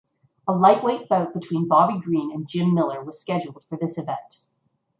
A lightweight bout between Bobby Green and Jim Miller was scheduled for this event.